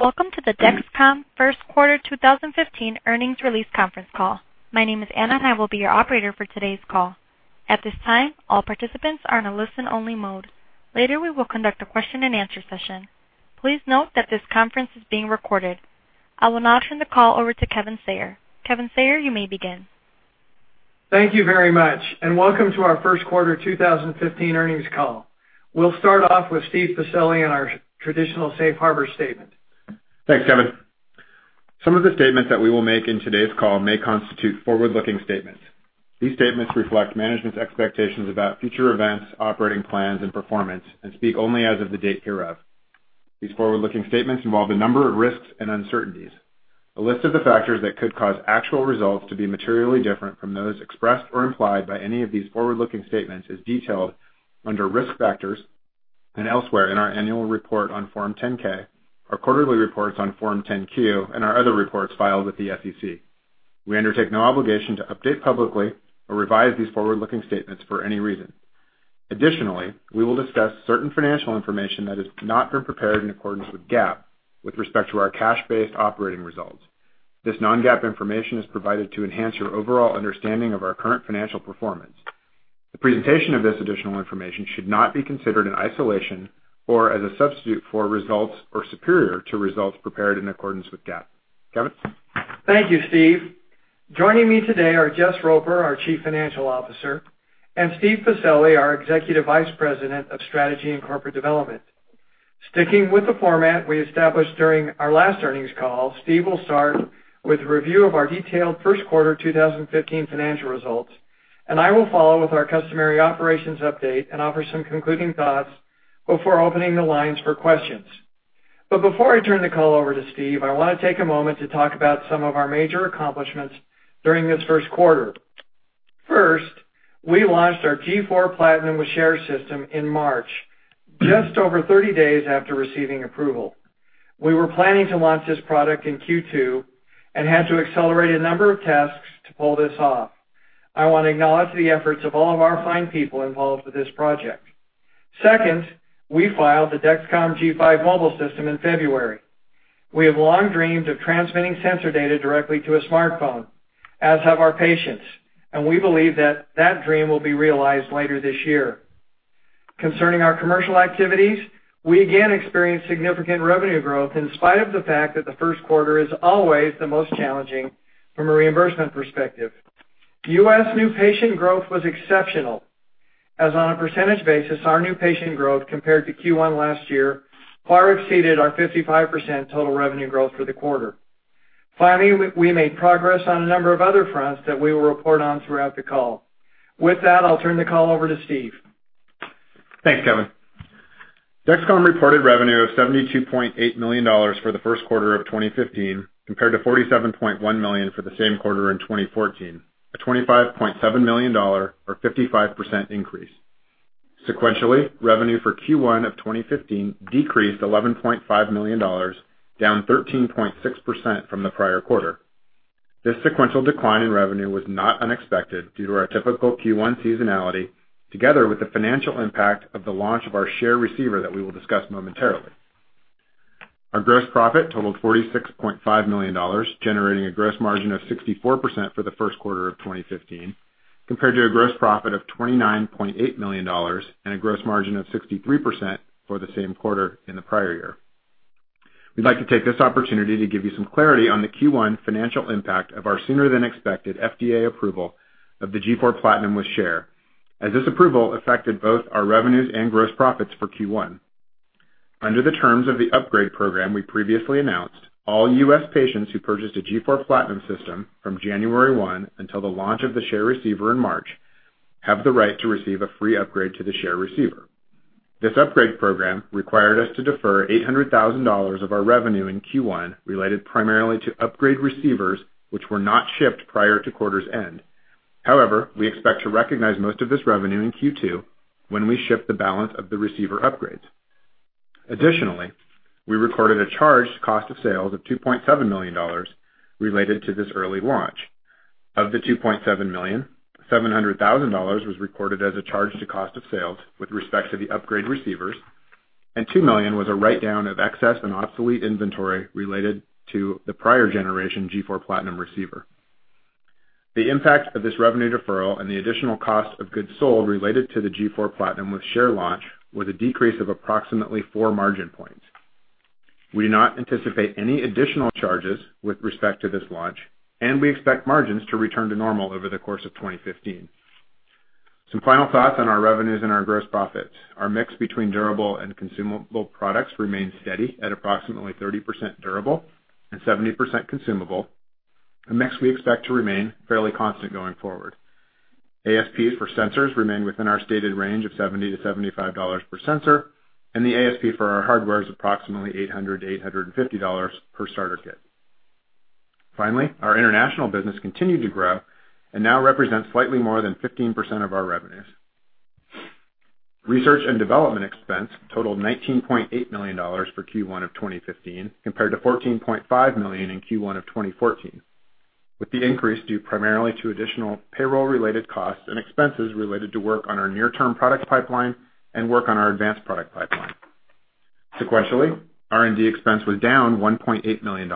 Welcome to the Dexcom first quarter 2015 earnings release conference call. My name is Anna, and I will be your operator for today's call. At this time, all participants are in a listen-only mode. Later, we will conduct a question-and-answer session. Please note that this conference is being recorded. I will now turn the call over to Kevin Sayer. Kevin Sayer, you may begin. Thank you very much, and welcome to our first quarter 2015 earnings call. We'll start off with Steve Pacelli in our traditional safe harbor statement. Thanks, Kevin. Some of the statements that we will make in today's call may constitute forward-looking statements. These statements reflect management's expectations about future events, operating plans, and performance and speak only as of the date hereof. These forward-looking statements involve a number of risks and uncertainties. A list of the factors that could cause actual results to be materially different from those expressed or implied by any of these forward-looking statements is detailed under Risk Factors and elsewhere in our annual report on Form 10-K, our quarterly reports on Form 10-Q, and our other reports filed with the SEC. We undertake no obligation to update publicly or revise these forward-looking statements for any reason. Additionally, we will discuss certain financial information that has not been prepared in accordance with GAAP with respect to our cash-based operating results. This non-GAAP information is provided to enhance your overall understanding of our current financial performance. The presentation of this additional information should not be considered in isolation or as a substitute for results or superior to results prepared in accordance with GAAP. Kevin? Thank you, Steve. Joining me today are Jess Roper, our Chief Financial Officer, and Steve Pacelli, our Executive Vice President of Strategy and Corporate Development. Sticking with the format we established during our last earnings call, Steve will start with a review of our detailed first quarter 2015 financial results, and I will follow with our customary operations update and offer some concluding thoughts before opening the lines for questions. Before I turn the call over to Steve, I wanna take a moment to talk about some of our major accomplishments during this first quarter. First, we launched our G4 PLATINUM with Share system in March, just over 30 days after receiving approval. We were planning to launch this product in Q2 and had to accelerate a number of tasks to pull this off. I wanna acknowledge the efforts of all of our fine people involved with this project. Second, we filed the Dexcom G5 Mobile System in February. We have long dreamed of transmitting sensor data directly to a smartphone, as have our patients, and we believe that that dream will be realized later this year. Concerning our commercial activities, we again experienced significant revenue growth in spite of the fact that the first quarter is always the most challenging from a reimbursement perspective. U.S. new patient growth was exceptional, as on a percentage basis, our new patient growth compared to Q1 last year far exceeded our 55% total revenue growth for the quarter. Finally, we made progress on a number of other fronts that we will report on throughout the call. With that, I'll turn the call over to Steve. Thanks, Kevin. Dexcom reported revenue of $72.8 million for the first quarter of 2015, compared to $47.1 million for the same quarter in 2014, a $25.7 million or 55% increase. Sequentially, revenue for Q1 of 2015 decreased $11.5 million, down 13.6% from the prior quarter. This sequential decline in revenue was not unexpected due to our typical Q1 seasonality together with the financial impact of the launch of our Share receiver that we will discuss momentarily. Our gross profit totaled $46.5 million, generating a gross margin of 64% for the first quarter of 2015, compared to a gross profit of $29.8 million and a gross margin of 63% for the same quarter in the prior year. We'd like to take this opportunity to give you some clarity on the Q1 financial impact of our sooner-than-expected FDA approval of the G4 PLATINUM with Share, as this approval affected both our revenues and gross profits for Q1. Under the terms of the upgrade program we previously announced, all U.S. patients who purchased a G4 PLATINUM system from January 1 until the launch of the Share receiver in March have the right to receive a free upgrade to the Share receiver. This upgrade program required us to defer $800,000 of our revenue in Q1, related primarily to upgrade receivers which were not shipped prior to quarter's end. However, we expect to recognize most of this revenue in Q2 when we ship the balance of the receiver upgrades. Additionally, we recorded a charged cost of sales of $2.7 million related to this early launch. Of the $2.7 million, $700,000 was recorded as a charge to cost of sales with respect to the upgrade receivers, and $2 million was a write-down of excess and obsolete inventory related to the prior generation G4 PLATINUM receiver. The impact of this revenue deferral and the additional cost of goods sold related to the G4 PLATINUM with Share launch was a decrease of approximately four margin points. We do not anticipate any additional charges with respect to this launch, and we expect margins to return to normal over the course of 2015. Some final thoughts on our revenues and our gross profits. Our mix between durable and consumable products remains steady at approximately 30% durable and 70% consumable. A mix we expect to remain fairly constant going forward. ASPs for sensors remain within our stated range of $70-$75 per sensor, and the ASP for our hardware is approximately $800-$850 per starter kit. Finally, our international business continued to grow and now represents slightly more than 15% of our revenues. Research and development expense totaled $19.8 million for Q1 of 2015, compared to $14.5 million in Q1 of 2014. With the increase due primarily to additional payroll-related costs and expenses related to work on our near-term product pipeline and work on our advanced product pipeline. Sequentially, R&D expense was down $1.8 million.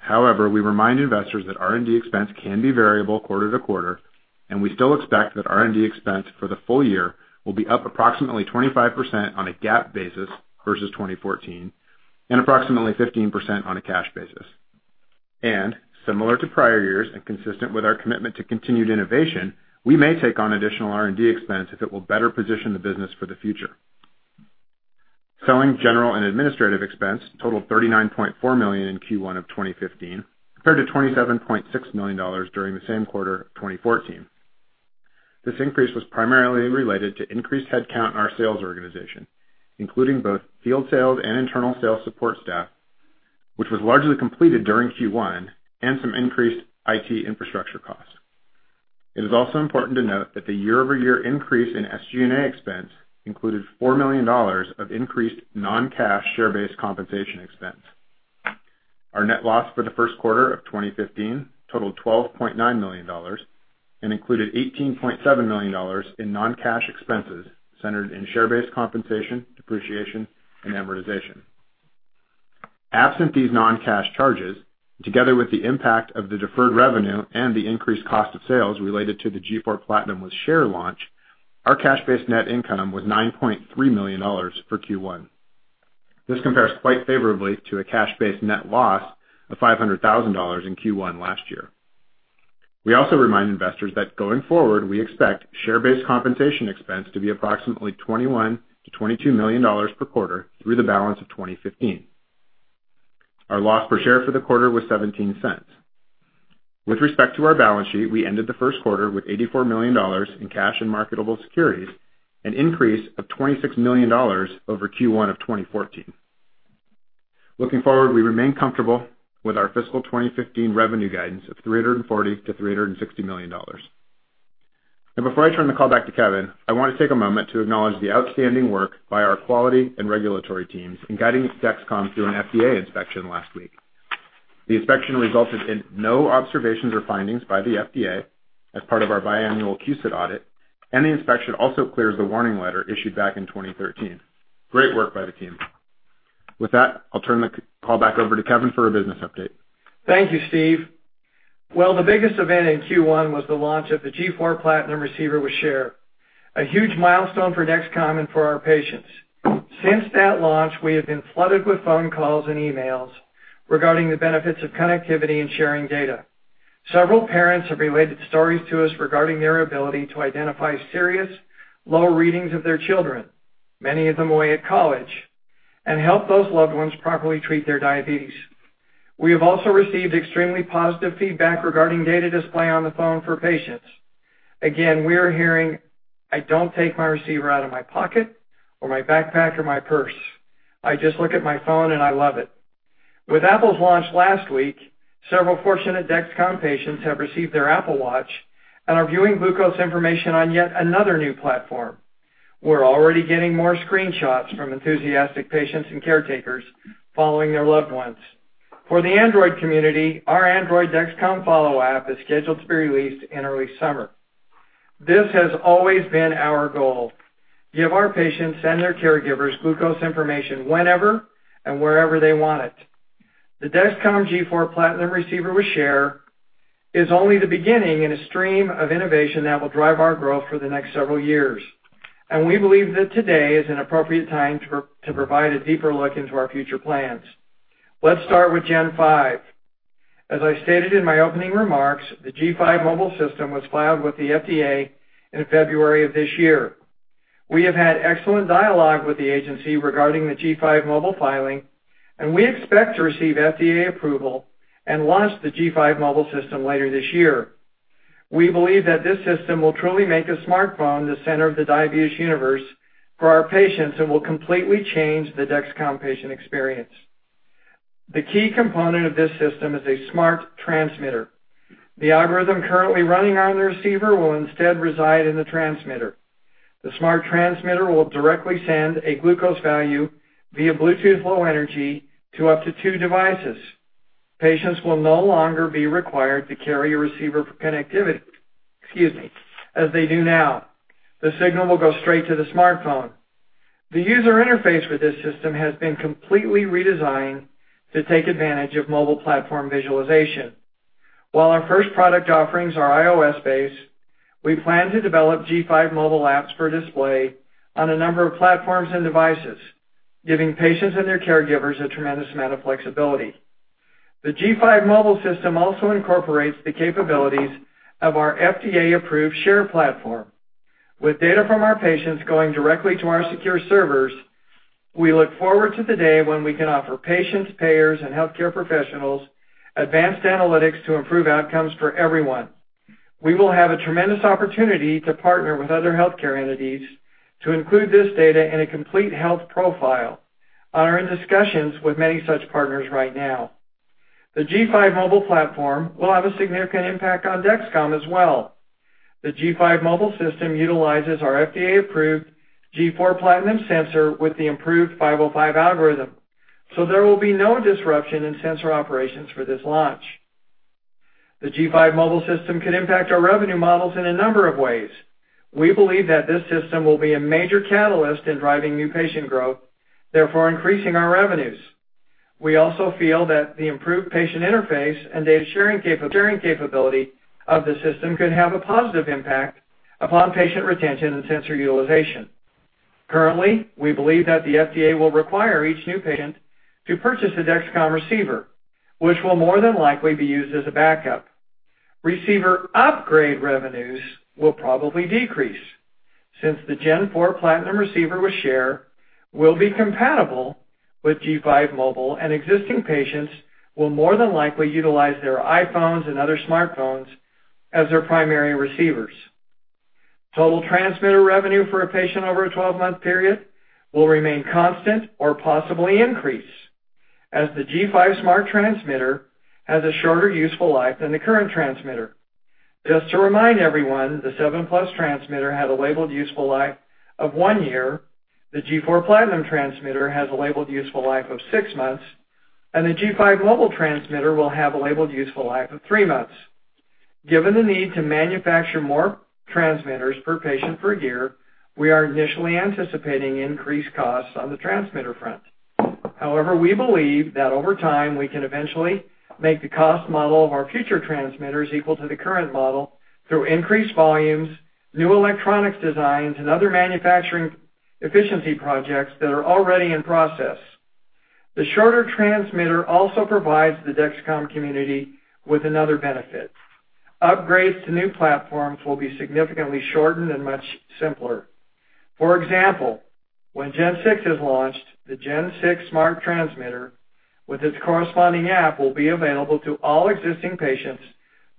However, we remind investors that R&D expense can be variable quarter to quarter, and we still expect that R&D expense for the full year will be up approximately 25% on a GAAP basis versus 2014, and approximately 15% on a cash basis. Similar to prior years and consistent with our commitment to continued innovation, we may take on additional R&D expense if it will better position the business for the future. Selling general and administrative expense totaled $39.4 million in Q1 of 2015, compared to $27.6 million during the same quarter of 2014. This increase was primarily related to increased headcount in our sales organization, including both field sales and internal sales support staff, which was largely completed during Q1, and some increased IT infrastructure costs. It is also important to note that the year-over-year increase in SG&A expense included $4 million of increased non-cash share-based compensation expense. Our net loss for the first quarter of 2015 totaled $12.9 million and included $18.7 million in non-cash expenses centered in share-based compensation, depreciation, and amortization. Absent these non-cash charges, together with the impact of the deferred revenue and the increased cost of sales related to the G4 PLATINUM with Share launch, our cash-based net income was $9.3 million for Q1. This compares quite favorably to a cash-based net loss of $500,000 in Q1 last year. We also remind investors that going forward, we expect share-based compensation expense to be approximately $21 million-$22 million per quarter through the balance of 2015. Our loss per share for the quarter was $0.17. With respect to our balance sheet, we ended the first quarter with $84 million in cash and marketable securities, an increase of $26 million over Q1 of 2014. Looking forward, we remain comfortable with our fiscal 2015 revenue guidance of $340 million-$360 million. Before I turn the call back to Kevin, I want to take a moment to acknowledge the outstanding work by our quality and regulatory teams in guiding Dexcom through an FDA inspection last week. The inspection resulted in no observations or findings by the FDA as part of our biannual QSI audit, and the inspection also clears the warning letter issued back in 2013. Great work by the team. With that, I'll turn the call back over to Kevin for a business update. Thank you, Steve. Well, the biggest event in Q1 was the launch of the G4 PLATINUM receiver with Share, a huge milestone for Dexcom and for our patients. Since that launch, we have been flooded with phone calls and emails regarding the benefits of connectivity and sharing data. Several parents have related stories to us regarding their ability to identify serious low readings of their children, many of them away at college, and help those loved ones properly treat their diabetes. We have also received extremely positive feedback regarding data display on the phone for patients. Again, we are hearing, "I don't take my receiver out of my pocket or my backpack or my purse. I just look at my phone, and I love it." With Apple's launch last week, several fortunate Dexcom patients have received their Apple Watch and are viewing glucose information on yet another new platform. We're already getting more screenshots from enthusiastic patients and caretakers following their loved ones. For the Android community, our Android Dexcom Follow app is scheduled to be released in early summer. This has always been our goal, give our patients and their caregivers glucose information whenever and wherever they want it. The Dexcom G4 PLATINUM receiver with Share is only the beginning in a stream of innovation that will drive our growth for the next several years, and we believe that today is an appropriate time to provide a deeper look into our future plans. Let's start with Gen 5. As I stated in my opening remarks, the G5 Mobile System was filed with the FDA in February of this year. We have had excellent dialogue with the agency regarding the G5 Mobile filing, and we expect to receive FDA approval and launch the G5 Mobile System later this year. We believe that this system will truly make a smartphone the center of the diabetes universe for our patients, and will completely change the Dexcom patient experience. The key component of this system is a smart transmitter. The algorithm currently running on the receiver will instead reside in the transmitter. The smart transmitter will directly send a glucose value via Bluetooth Low Energy to up to two devices. Patients will no longer be required to carry a receiver for connectivity, excuse me, as they do now. The signal will go straight to the smartphone. The user interface for this system has been completely redesigned to take advantage of mobile platform visualization. While our first product offerings are iOS-based, we plan to develop G5 mobile apps for display on a number of platforms and devices, giving patients and their caregivers a tremendous amount of flexibility. The G5 Mobile System also incorporates the capabilities of our FDA-approved Share platform. With data from our patients going directly to our secure servers, we look forward to the day when we can offer patients, payers, and healthcare professionals advanced analytics to improve outcomes for everyone. We will have a tremendous opportunity to partner with other healthcare entities to include this data in a complete health profile. We are in discussions with many such partners right now. The G5 Mobile platform will have a significant impact on Dexcom as well. The G5 Mobile system utilizes our FDA-approved G4 PLATINUM sensor with the improved 505 algorithm, so there will be no disruption in sensor operations for this launch. The G5 mobile system could impact our revenue models in a number of ways. We believe that this system will be a major catalyst in driving new patient growth, therefore increasing our revenues. We also feel that the improved patient interface and data sharing capability of the system could have a positive impact upon patient retention and sensor utilization. Currently, we believe that the FDA will require each new patient to purchase a Dexcom receiver, which will more than likely be used as a backup. Receiver upgrade revenues will probably decrease since the G4 Platinum receiver with Share will be compatible with G5 mobile and existing patients will more than likely utilize their iPhones and other smartphones as their primary receivers. Total transmitter revenue for a patient over a 12-month period will remain constant or possibly increase, as the G5 Mobile transmitter has a shorter useful life than the current transmitter. Just to remind everyone, the SEVEN PLUS transmitter had a labeled useful life of one year. The G4 PLATINUM transmitter has a labeled useful life of six months, and the G5 Mobile transmitter will have a labeled useful life of three months. Given the need to manufacture more transmitters per patient per year, we are initially anticipating increased costs on the transmitter front. However, we believe that over time, we can eventually make the cost model of our future transmitters equal to the current model through increased volumes, new electronics designs, and other manufacturing efficiency projects that are already in process. The shorter transmitter also provides the Dexcom community with another benefit. Upgrades to new platforms will be significantly shortened and much simpler. For example, when Gen 6 is launched, the Gen 6 smart transmitter with its corresponding app will be available to all existing patients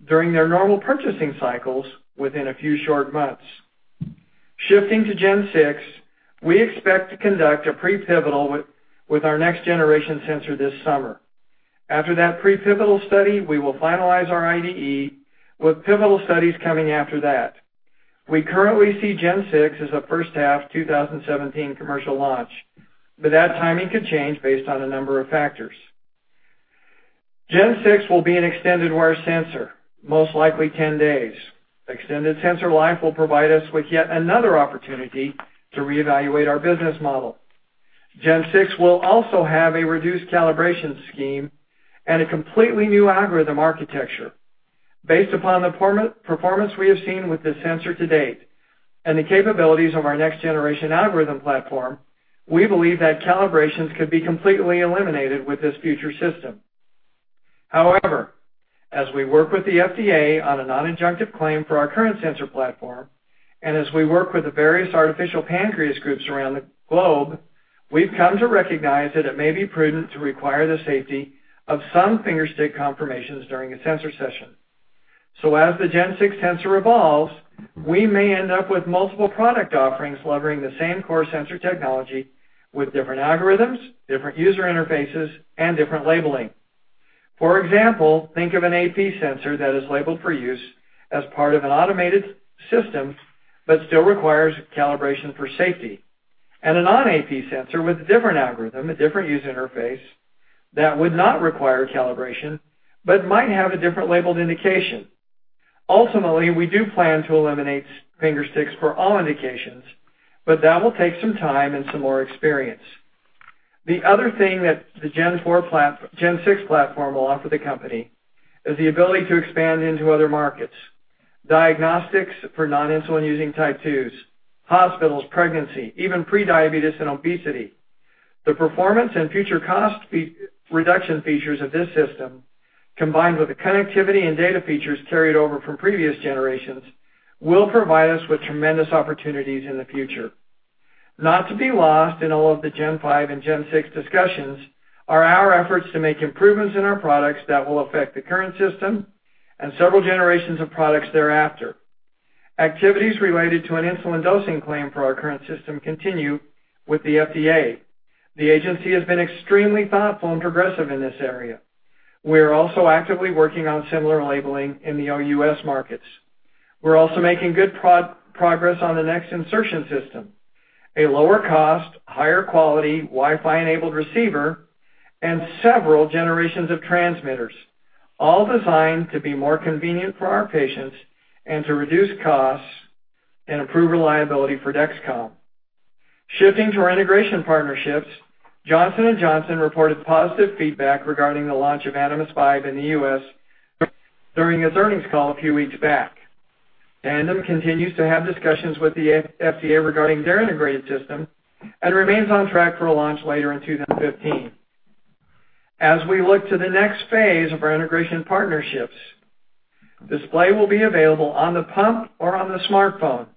during their normal purchasing cycles within a few short months. Shifting to Gen 6, we expect to conduct a pre-pivotal with our next generation sensor this summer. After that pre-pivotal study, we will finalize our IDE, with pivotal studies coming after that. We currently see Gen 6 as a first half 2017 commercial launch, but that timing could change based on a number of factors. Gen 6 will be an extended wear sensor, most likely 10 days. Extended sensor life will provide us with yet another opportunity to reevaluate our business model. Gen 6 will also have a reduced calibration scheme and a completely new algorithm architecture. Based upon the performance we have seen with the sensor to date and the capabilities of our next generation algorithm platform, we believe that calibrations could be completely eliminated with this future system. However, as we work with the FDA on a non-adjunctive claim for our current sensor platform, and as we work with the various artificial pancreas groups around the globe, we've come to recognize that it may be prudent to require the safety of some finger stick confirmations during a sensor session. As the Gen 6 sensor evolves, we may end up with multiple product offerings leveraging the same core sensor technology with different algorithms, different user interfaces, and different labeling. For example, think of an AP sensor that is labeled for use as part of an automated system, but still requires calibration for safety. A non-AP sensor with a different algorithm, a different user interface that would not require calibration, but might have a different labeled indication. Ultimately, we do plan to eliminate finger sticks for all indications, but that will take some time and some more experience. The other thing that the Gen 6 platform will offer the company is the ability to expand into other markets. Diagnostics for non-insulin using type twos, hospitals, pregnancy, even pre-diabetes and obesity. The performance and future cost reduction features of this system, combined with the connectivity and data features carried over from previous generations, will provide us with tremendous opportunities in the future. Not to be lost in all of the Gen 5 and Gen 6 discussions are our efforts to make improvements in our products that will affect the current system and several generations of products thereafter. Activities related to an insulin dosing claim for our current system continue with the FDA. The agency has been extremely thoughtful and progressive in this area. We are also actively working on similar labeling in the OUS markets. We're also making good progress on the next insertion system, a lower cost, higher quality Wi-Fi enabled receiver and several generations of transmitters, all designed to be more convenient for our patients and to reduce costs and improve reliability for Dexcom. Shifting to our integration partnerships, Johnson & Johnson reported positive feedback regarding the launch of Animas Vibe in the U.S. during its earnings call a few weeks back. Tandem continues to have discussions with the FDA regarding their integrated system and remains on track for a launch later in 2015. As we look to the next phase of our integration partnerships, display will be available on the pump or on the smartphone.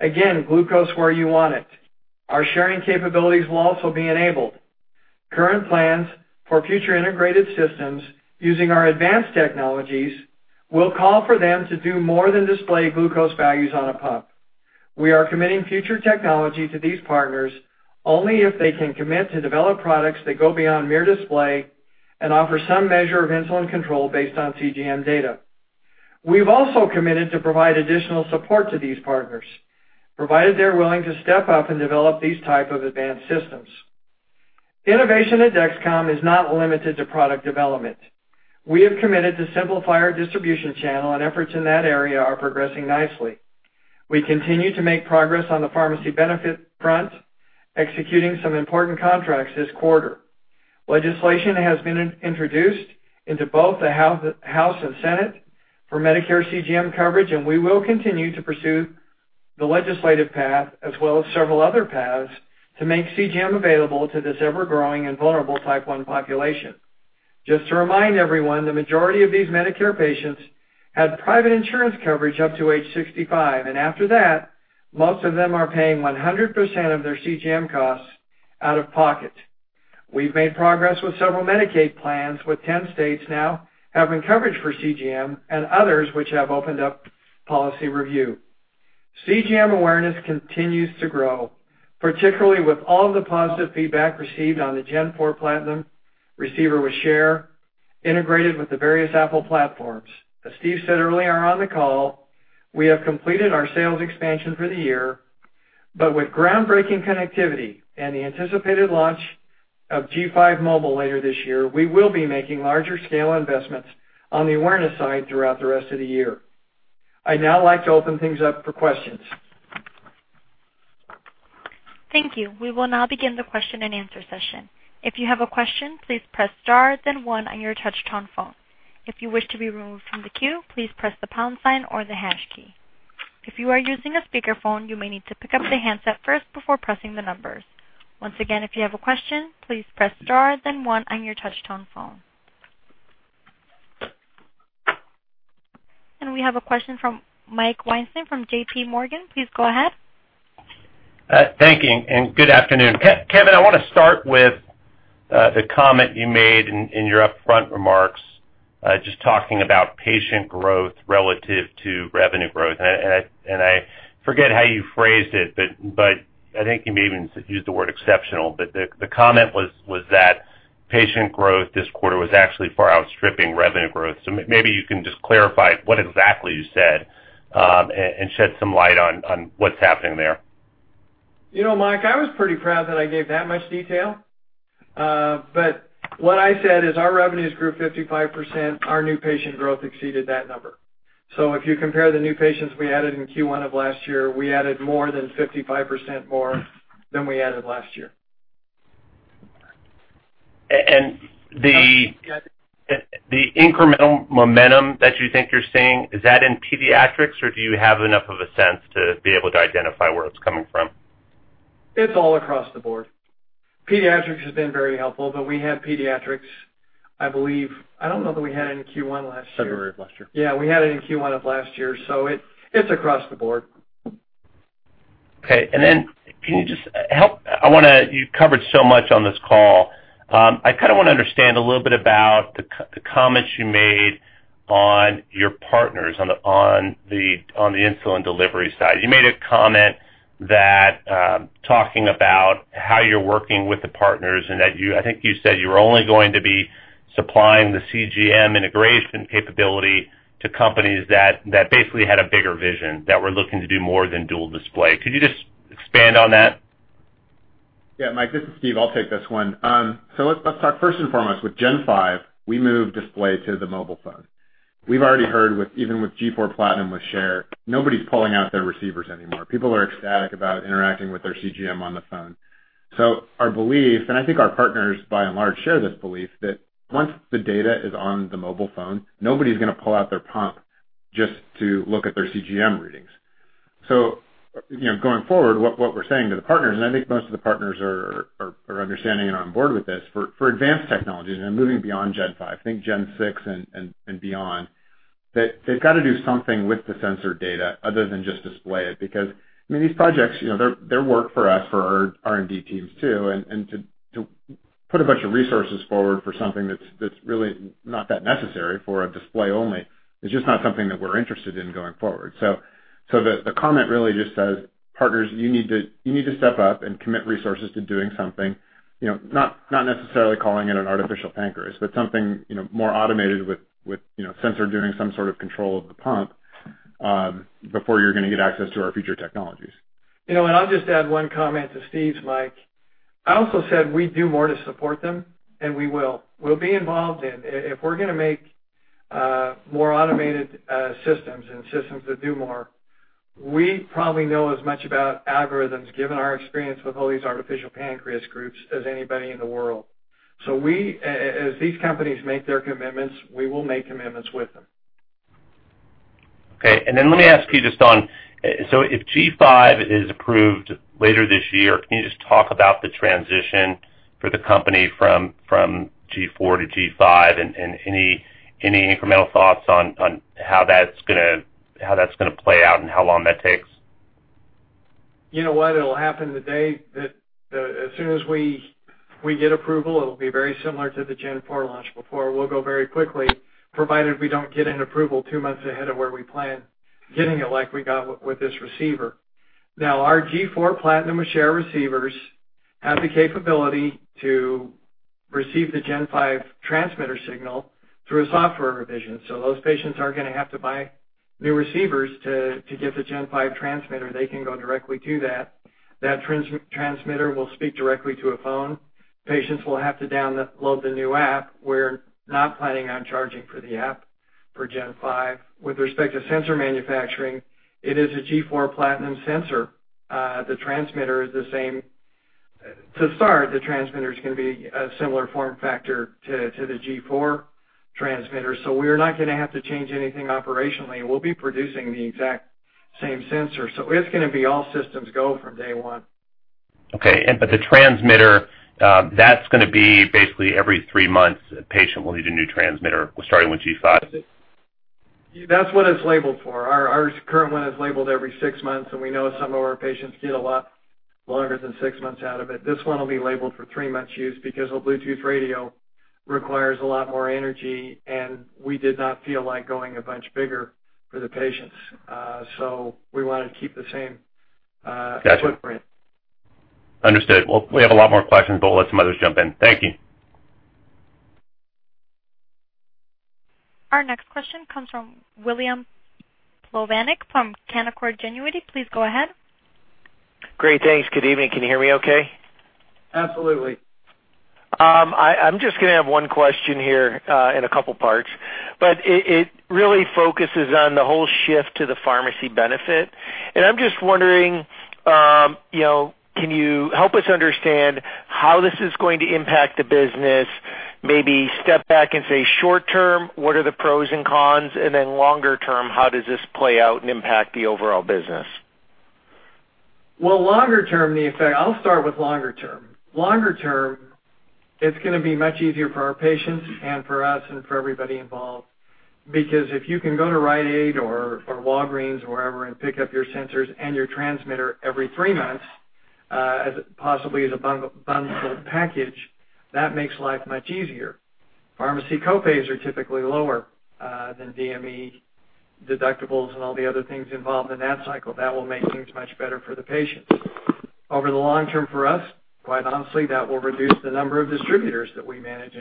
Again, glucose where you want it. Our sharing capabilities will also be enabled. Current plans for future integrated systems using our advanced technologies will call for them to do more than display glucose values on a pump. We are committing future technology to these partners only if they can commit to develop products that go beyond mere display and offer some measure of insulin control based on CGM data. We've also committed to provide additional support to these partners, provided they're willing to step up and develop these type of advanced systems. Innovation at Dexcom is not limited to product development. We have committed to simplify our distribution channel, and efforts in that area are progressing nicely. We continue to make progress on the pharmacy benefit front, executing some important contracts this quarter. Legislation has been introduced into both the House and Senate for Medicare CGM coverage, and we will continue to pursue the legislative path, as well as several other paths, to make CGM available to this ever-growing and vulnerable Type 1 population. Just to remind everyone, the majority of these Medicare patients had private insurance coverage up to age 65, and after that, most of them are paying 100% of their CGM costs out of pocket. We've made progress with several Medicaid plans, with 10 states now having coverage for CGM and others which have opened up policy review. CGM awareness continues to grow, particularly with all the positive feedback received on the G4 PLATINUM receiver with Share integrated with the various Apple platforms. As Steve said earlier on the call, we have completed our sales expansion for the year, but with groundbreaking connectivity and the anticipated launch of G5 Mobile later this year, we will be making larger scale investments on the awareness side throughout the rest of the year. I'd now like to open things up for questions. Thank you. We will now begin the question-and-answer session. If you have a question, please press star then one on your touchtone phone. If you wish to be removed from the queue, please press the pound sign or the hash key. If you are using a speakerphone, you may need to pick up the handset first before pressing the numbers. Once again, if you have a question, please press star then one on your touchtone phone. We have a question from Mike Weinstein from JPMorgan. Please go ahead. Thank you and good afternoon. Kevin, I want to start with the comment you made in your upfront remarks just talking about patient growth relative to revenue growth. I forget how you phrased it, but I think you may even used the word exceptional. The comment was that patient growth this quarter was actually far outstripping revenue growth. Maybe you can just clarify what exactly you said and shed some light on what's happening there. You know, Mike, I was pretty proud that I gave that much detail. What I said is our revenues grew 55%. Our new patient growth exceeded that number. If you compare the new patients we added in Q1 of last year, we added more than 55% more than we added last year. The- Yes The incremental momentum that you think you're seeing, is that in pediatrics, or do you have enough of a sense to be able to identify where it's coming from? It's all across the board. Pediatrics has been very helpful, but we had pediatrics, I believe. I don't know that we had it in Q1 last year. February of last year. Yeah, we had it in Q1 of last year, so it's across the board. Okay. You've covered so much on this call. I kinda wanna understand a little bit about the comments you made on your partners on the insulin delivery side. You made a comment talking about how you're working with the partners and that you, I think you said you were only going to be supplying the CGM integration capability to companies that basically had a bigger vision, that were looking to do more than dual display. Could you just expand on that? Yeah, Mike, this is Steve. I'll take this one. Let's talk first and foremost with Gen 5. We moved display to the mobile phone. We've already heard, even with G4 PLATINUM with Share, nobody's pulling out their receivers anymore. People are ecstatic about interacting with their CGM on the phone. Our belief, and I think our partners by and large share this belief, that once the data is on the mobile phone, nobody's gonna pull out their pump just to look at their CGM readings. You know, going forward, what we're saying to the partners, and I think most of the partners are understanding and on board with this, for advanced technologies and moving beyond Gen 5, think Gen 6 and beyond, that they've gotta do something with the sensor data other than just display it because, I mean, these projects, you know, they're work for us, for our R&D teams too. To put a bunch of resources forward for something that's really not that necessary for a display only is just not something that we're interested in going forward. The comment really just says, "Partners, you need to step up and commit resources to doing something," you know, not necessarily calling it an artificial pancreas, but something, you know, more automated with you know, sensor doing some sort of control of the pump, before you're gonna get access to our future technologies. You know, I'll just add one comment to Steve's, Mike. I also said we'd do more to support them, and we will. We'll be involved. If we're gonna make more automated systems and systems that do more, we probably know as much about algorithms, given our experience with all these artificial pancreas groups, as anybody in the world. So we, as these companies make their commitments, we will make commitments with them. Okay. Let me ask you just on, so if G5 is approved later this year, can you just talk about the transition for the company from G4 to G5 and any incremental thoughts on how that's gonna play out and how long that takes? You know what? It'll happen the day that, as soon as we get approval, it'll be very similar to the G4 launch before. We'll go very quickly, provided we don't get an approval two months ahead of where we plan getting it like we got with this receiver. Now, our G4 PLATINUM with Share receivers have the capability to receive the G5 transmitter signal through a software revision. So those patients aren't gonna have to buy new receivers to get the G5 transmitter. They can go directly to that. That transmitter will speak directly to a phone. Patients will have to download the new app. We're not planning on charging for the app for G5. With respect to sensor manufacturing, it is a G4 PLATINUM sensor. The transmitter is the same. To start, the transmitter's gonna be a similar form factor to the G4 transmitter. We're not gonna have to change anything operationally. We'll be producing the exact same sensor, so it's gonna be all systems go from day one. Okay, the transmitter, that's gonna be basically every three months a patient will need a new transmitter starting with G5? That's what it's labeled for. Our current one is labeled every six months, and we know some of our patients get a lot longer than six months out of it. This one will be labeled for three months use because a Bluetooth radio requires a lot more energy, and we did not feel like going a bunch bigger for the patients. We wanna keep the same as footprint. Got you. Understood. Well, we have a lot more questions, but I'll let some others jump in. Thank you. Our next question comes from William Plovanic from Canaccord Genuity. Please go ahead. Great, thanks. Good evening. Can you hear me okay? Absolutely. I'm just gonna have one question here in a couple parts, but it really focuses on the whole shift to the pharmacy benefit. I'm just wondering, you know, can you help us understand how this is going to impact the business? Maybe step back and say short term, what are the pros and cons? Then longer term, how does this play out and impact the overall business? Well, longer term. I'll start with longer term. Longer term, it's gonna be much easier for our patients and for us and for everybody involved, because if you can go to Rite Aid or Walgreens or wherever and pick up your sensors and your transmitter every three months, as possibly as a bundled package, that makes life much easier. Pharmacy copays are typically lower than DME deductibles and all the other things involved in that cycle. That will make things much better for the patients. Over the long term for us, quite honestly, that will reduce the number of distributors that we manage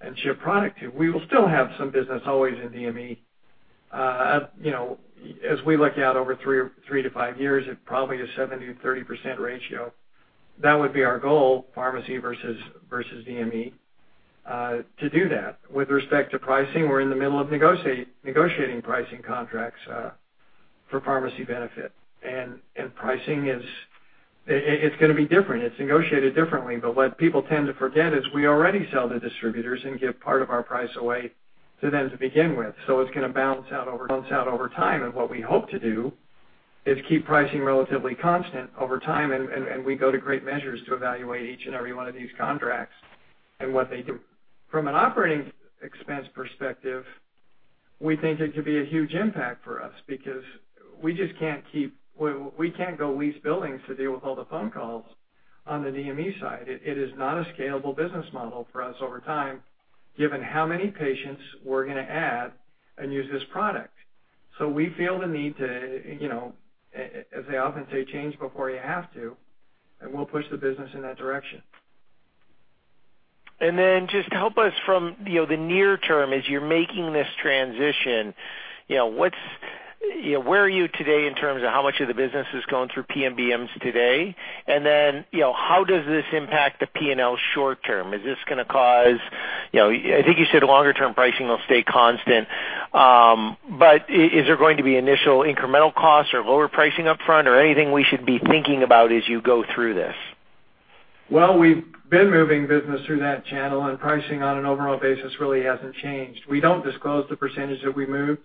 and ship product to. We will still have some business always in DME. You know, as we look out over 3-5 years at probably a 70%-30% ratio, that would be our goal, pharmacy versus DME, to do that. With respect to pricing, we're in the middle of negotiating pricing contracts for pharmacy benefit. It's gonna be different. It's negotiated differently. What people tend to forget is we already sell to distributors and give part of our price away to them to begin with. It's gonna balance out over time. What we hope to do is keep pricing relatively constant over time, and we go to great measures to evaluate each and every one of these contracts and what they do. From an operating expense perspective, we think it could be a huge impact for us because we can't go lease buildings to deal with all the phone calls on the DME side. It is not a scalable business model for us over time, given how many patients we're gonna add and use this product. We feel the need to, you know, as they often say, change before you have to, and we'll push the business in that direction. Just help us from, you know, the near term as you're making this transition, you know, where are you today in terms of how much of the business is going through PBMs today? You know, how does this impact the P&L short term? You know, I think you said longer term pricing will stay constant. But is there going to be initial incremental costs or lower pricing upfront or anything we should be thinking about as you go through this? Well, we've been moving business through that channel, and pricing on an overall basis really hasn't changed. We don't disclose the percentage that we moved.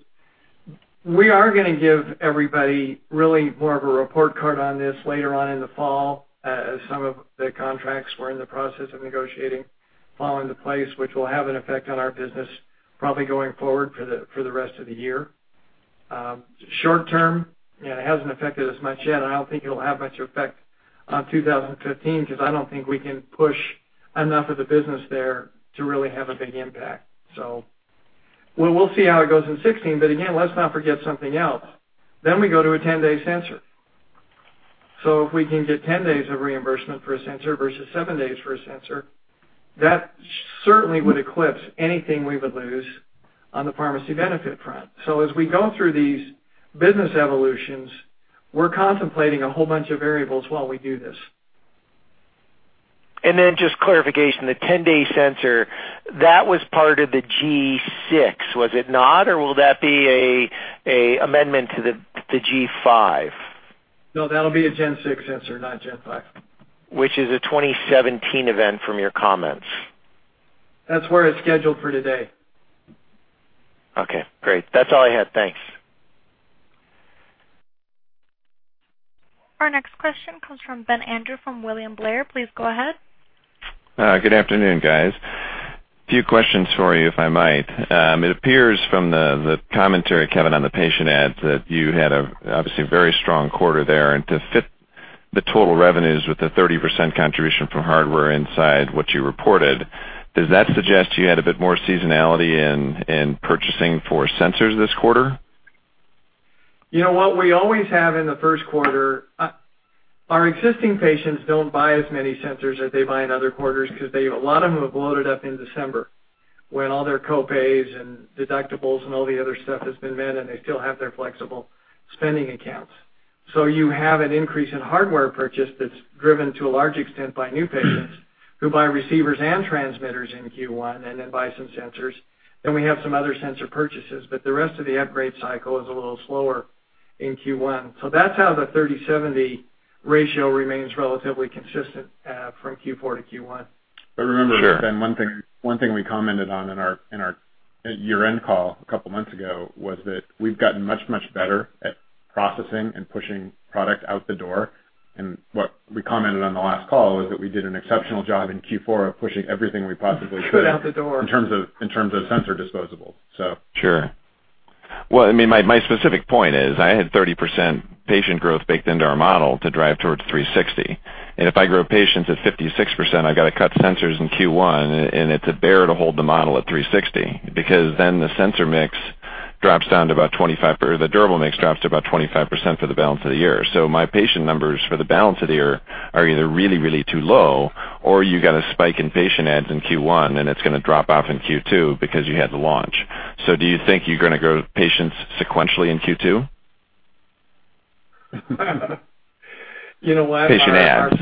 We are gonna give everybody really more of a report card on this later on in the fall, as some of the contracts we're in the process of negotiating fall into place, which will have an effect on our business probably going forward for the rest of the year. Short term, it hasn't affected us much yet. I don't think it'll have much effect on 2015 'cause I don't think we can push enough of the business there to really have a big impact. We'll see how it goes in 2016. Again, let's not forget something else. We go to a ten-day sensor. If we can get 10 days of reimbursement for a sensor versus seven days for a sensor, that certainly would eclipse anything we would lose on the pharmacy benefit front. As we go through these business evolutions, we're contemplating a whole bunch of variables while we do this. Just clarification. The 10-day sensor, that was part of the G6, was it not or will that be an amendment to the G5? No, that'll be a Gen 6 sensor, not Gen 5. Which is a 2017 event from your comments? That's where it's scheduled for today. Okay, great. That's all I had. Thanks. Our next question comes from Ben Andrew from William Blair. Please go ahead. Good afternoon, guys. A few questions for you, if I might. It appears from the commentary, Kevin, on the patient adds that you had an obviously very strong quarter there and that fits the total revenues with the 30% contribution from hardware in what you reported. Does that suggest you had a bit more seasonality in purchasing for sensors this quarter? You know what? We always have in the first quarter. Our existing patients don't buy as many sensors as they buy in other quarters because they, a lot of them have loaded up in December when all their co-pays and deductibles and all the other stuff has been met, and they still have their flexible spending accounts. You have an increase in hardware purchase that's driven to a large extent by new patients who buy receivers and transmitters in Q1 and then buy some sensors. Then we have some other sensor purchases, but the rest of the upgrade cycle is a little slower in Q1. That's how the 30-70 ratio remains relatively consistent from Q4-Q1. Sure. Remember, Ben, one thing we commented on in our year-end call a couple months ago was that we've gotten much better at processing and pushing product out the door. What we commented on the last call was that we did an exceptional job in Q4 of pushing everything we possibly could. Put out the door. In terms of sensor disposables, so. Sure. Well, I mean, my specific point is I had 30% patient growth baked into our model to drive towards $360. If I grow patients at 56%, I got to cut sensors in Q1, and it's a bear to hold the model at $360 because then the sensor mix drops down to about 25%, or the durable mix drops to about 25% for the balance of the year. My patient numbers for the balance of the year are either really, really too low, or you got a spike in patient adds in Q1, and it's gonna drop off in Q2 because you had the launch. Do you think you're gonna grow patients sequentially in Q2? You know what? Patient adds.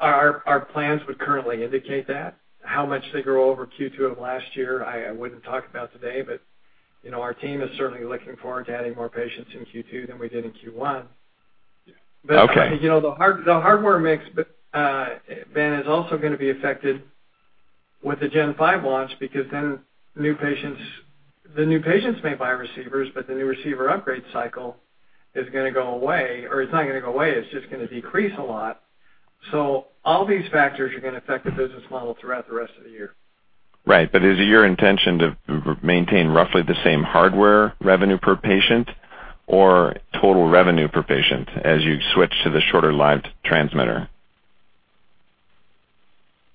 Our plans would currently indicate that. How much they grow over Q2 of last year, I wouldn't talk about today. You know, our team is certainly looking forward to adding more patients in Q2 than we did in Q1. Okay. You know, the hardware mix, Ben, is also gonna be affected with the Gen 5 launch because then new patients may buy receivers, but the new receiver upgrade cycle is gonna go away. It's not gonna go away, it's just gonna decrease a lot. All these factors are gonna affect the business model throughout the rest of the year. Right. Is it your intention to maintain roughly the same hardware revenue per patient or total revenue per patient as you switch to the shorter-lived transmitter?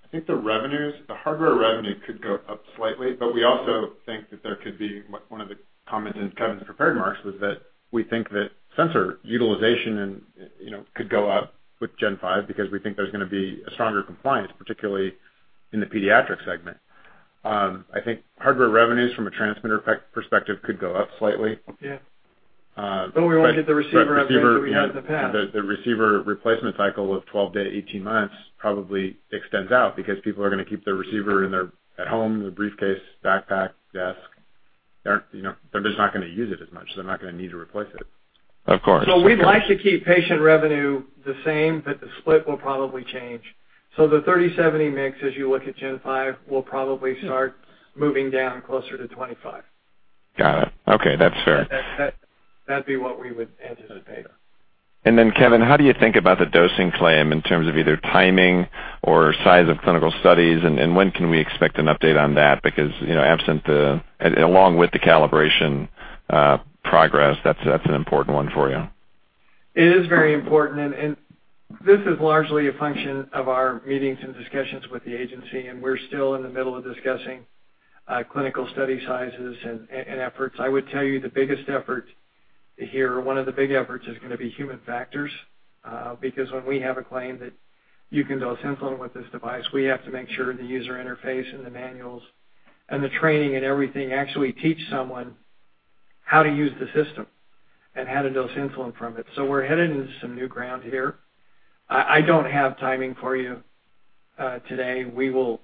I think the revenues, the hardware revenue could go up slightly, but we also think that there could be one of the comments in Kevin's prepared remarks was that we think that sensor utilization and, you know, could go up with Gen 5 because we think there's gonna be a stronger compliance, particularly in the pediatric segment. I think hardware revenues from a transmitter perspective could go up slightly. Yes. Uh, but- We won't get the receiver upgrade that we had in the past. The receiver replacement cycle of 12-18 months probably extends out because people are gonna keep their receiver in their at home, their briefcase, backpack, desk. They aren't, you know, they're just not gonna use it as much, so they're not gonna need to replace it. Of course. We'd like to keep patient revenue the same, but the split will probably change. The 30-70 mix as you look at Gen 5 will probably start moving down closer to 25. Got it. Okay, that's fair. That'd be what we would anticipate. Kevin, how do you think about the dosing claim in terms of either timing or size of clinical studies? When can we expect an update on that because, you know, absent the along with the calibration progress, that's an important one for you? It is very important. This is largely a function of our meetings and discussions with the agency, and we're still in the middle of discussing clinical study sizes and efforts. I would tell you the biggest effort here, one of the big efforts is gonna be human factors, because when we have a claim that you can dose insulin with this device. We have to make sure the user interface and the manuals and the training and everything actually teach someone how to use the system and how to dose insulin from it. We're headed into some new ground here. I don't have timing for you today. We'll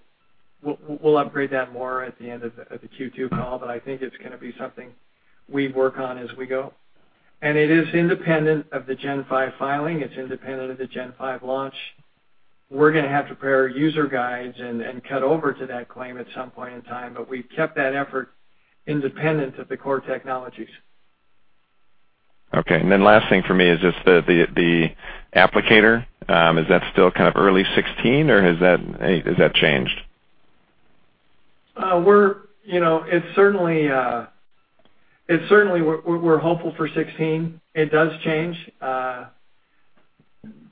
upgrade that more at the end of the Q2 call, but I think it's gonna be something we work on as we go. It is independent of the Gen 5 filing. It's independent of the Gen 5 launch. We're gonna have to prepare user guides and cut over to that claim at some point in time, but we've kept that effort independent of the core technologies. Okay. Last thing for me is just the applicator. Is that still kind of early 2016 or has that changed? It's certainly we're hopeful for 2016. It does change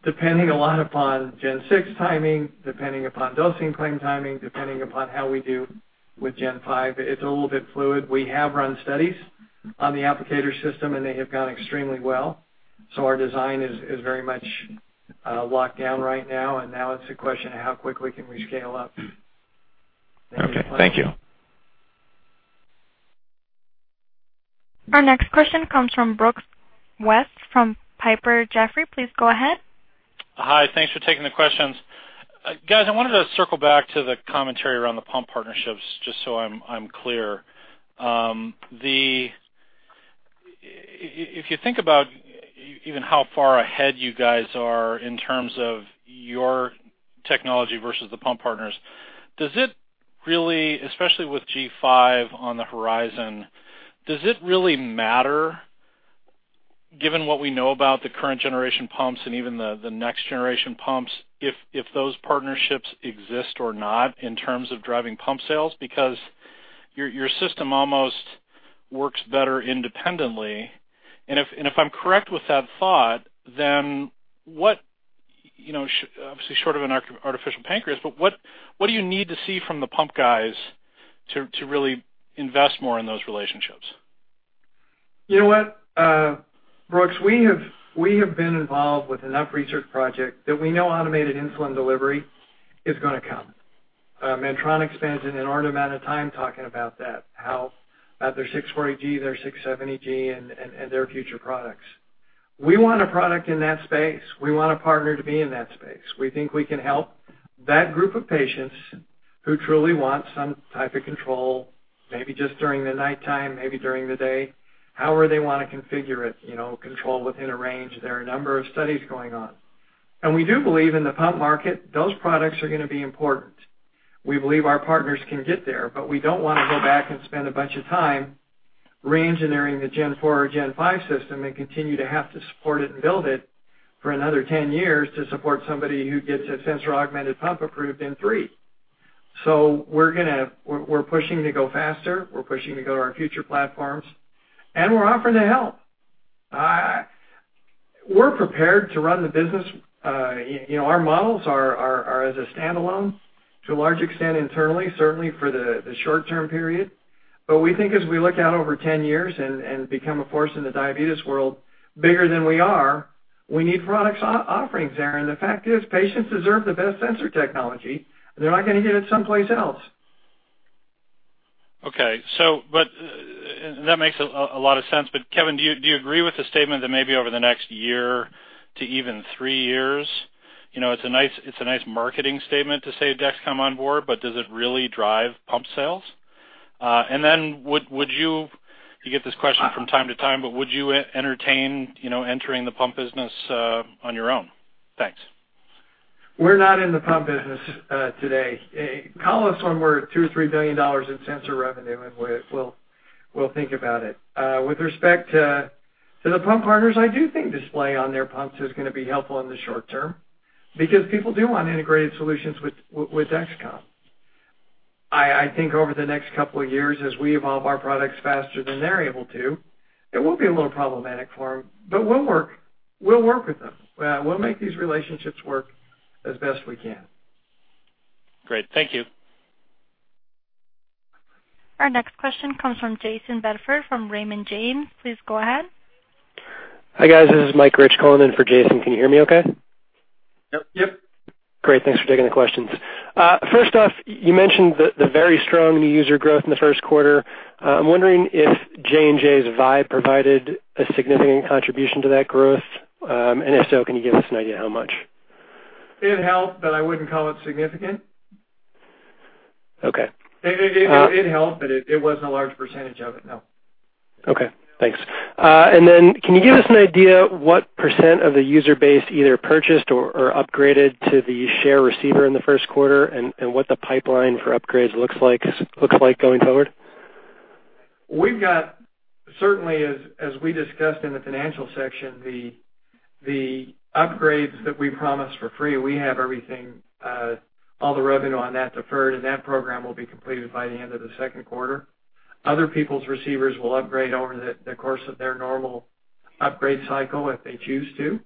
depending a lot upon Gen 6 timing, depending upon dosing claim timing, depending upon how we do with Gen 5. It's a little bit fluid. We have run studies on the applicator system, and they have gone extremely well, so our design is very much locked down right now. Now it's a question of how quickly can we scale up. Okay. Thank you. Our next question comes from Brooks West from Piper Jaffray. Please go ahead. Hi. Thanks for taking the questions. Guys, I wanted to circle back to the commentary around the pump partnerships just so I'm clear. If you think about even how far ahead you guys are in terms of your technology versus the pump partners, does it really matter, especially with G5 on the horizon does it really matter given what we know about the current generation pumps and even the next generation pumps, if those partnerships exist or not in terms of driving pump sales because your system almost works better independently. If I'm correct with that thought, then what, you know, obviously short of an artificial pancreas, but what do you need to see from the pump guys to really invest more in those relationships? You know what, Brooks, we have been involved with enough research projects that we know automated insulin delivery is gonna come. Medtronic spends an inordinate amount of time talking about that, how their 640G, their 670G, and their future products. We want a product in that space. We want a partner to be in that space. We think we can help that group of patients who truly want some type of control, maybe just during the nighttime, maybe during the day, however they wanna configure it, you know, control within a range. There are a number of studies going on. We do believe in the pump market, those products are gonna be important. We believe our partners can get there, but we don't wanna go back and spend a bunch of time reengineering the gen four or Gen 5 system and continue to have to support it and build it for another 10 years to support somebody who gets a sensor augmented pump approved in three. We're pushing to go faster. We're pushing to go to our future platforms, and we're offering to help. We're prepared to run the business. You know, our models are as a standalone to a large extent internally, certainly for the short-term period. We think as we look out over 10 years and become a force in the diabetes world bigger than we are, we need product offerings there. The fact is patients deserve the best sensor technology. They're not gonna get it someplace else. Okay. That makes a lot of sense. Kevin, do you agree with the statement that maybe over the next year to even three years, you know, it's a nice marketing statement to say Dexcom on board, but does it really drive pump sales? You get this question from time to time, but would you entertain, you know, entering the pump business on your own? Thanks. We're not in the pump business today. Call us when we're $2-$3 billion in sensor revenue, and we'll think about it. With respect to the pump partners, I do think display on their pumps is gonna be helpful in the short term because people do want integrated solutions with Dexcom. I think over the next couple of years, as we evolve our products faster than they're able to, it will be a little problematic for them, but we'll work with them. We'll make these relationships work as best we can. Great. Thank you. Our next question comes from Jayson Bedford from Raymond James. Please go ahead. Hi, guys. This is Michael Rich calling in for Jayson. Can you hear me okay? Yep. Great. Thanks for taking the questions. First off, you mentioned the very strong new user growth in the first quarter. I'm wondering if J&J's Vibe provided a significant contribution to that growth, and if so, can you give us an idea how much? It helped, but I wouldn't call it significant. Okay. It helped, but it wasn't a large percentage of it. No. Okay. Thanks. Can you give us an idea what percent of the user base either purchased or upgraded to the share receiver in the first quarter and what the pipeline for upgrades looks like going forward? We've got certainly, as we discussed in the financial section, the upgrades that we promised for free. We have everything, all the revenue on that deferred, and that program will be completed by the end of the second quarter. Other people's receivers will upgrade over the course of their normal upgrade cycle if they choose to,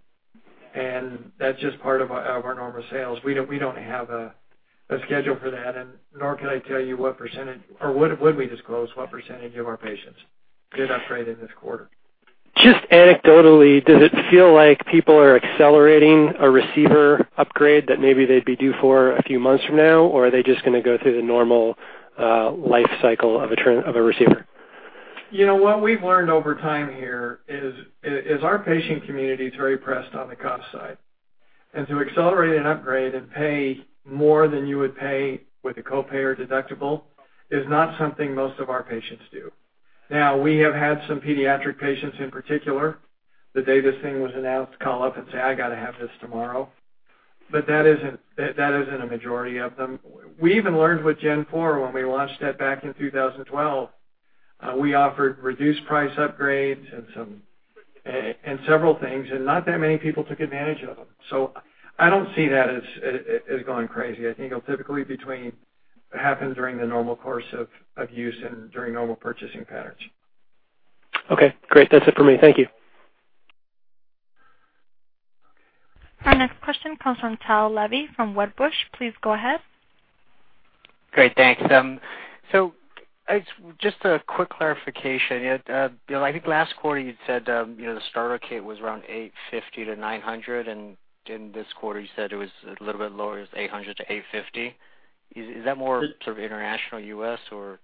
and that's just part of our normal sales. We don't have a schedule for that, and nor can I tell you what percentage or would we disclose what percentage of our patients did upgrade in this quarter. Just anecdotally, does it feel like people are accelerating a receiver upgrade that maybe they'd be due for a few months from now, or are they just gonna go through the normal life cycle of a receiver? You know, what we've learned over time here is our patient community is very pressed on the cost side. To accelerate an upgrade and pay more than you would pay with a co-pay or deductible is not something most of our patients do. Now, we have had some pediatric patients in particular, the day this thing was announced, call up and say, "I gotta have this tomorrow." That isn't a majority of them. We even learned with Gen 4 when we launched that back in 2012, we offered reduced price upgrades and several things, and not that many people took advantage of them. I don't see that as going crazy. I think it'll typically happen during the normal course of use and during normal purchasing patterns. Okay, great. That's it for me. Thank you. Our next question comes from Tao Levy from Wedbush. Please go ahead. Great. Thanks. It's just a quick clarification. Steve, I think last quarter you said, you know, the starter kit was around $850-$900, and in this quarter you said it was a little bit lower, it's $800-$850. Is that more sort of international U.S. or?